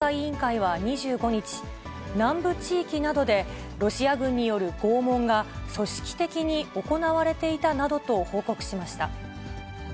ウクライナの人権状況について、国連の独立調査委員会は２５日、南部地域などでロシア軍による拷問が組織的に行われていたなどと報告しました。